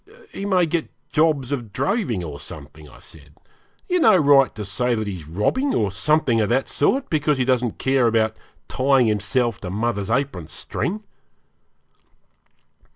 'He may get jobs of droving or something,' I said. 'You have no right to say that he's robbing, or something of that sort, because he doesn't care about tying himself to mother's apron string.'